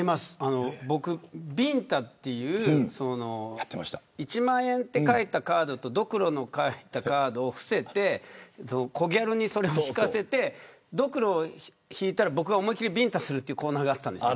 僕は、ＢＩＮＴＡ！という１万円と書いたカードとドクロの描いたカードを伏せてコギャルにそれを引かせてドクロを引いたら僕が思い切りビンタするというコーナーがあったんです。